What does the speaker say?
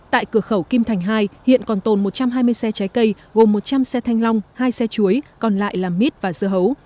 tại cửa khẩu kim thành hai hiện còn tồn một trăm hai mươi xe trái cây gồm một trăm linh xe thanh long hai xe chuối còn lại là mít và dưa hấu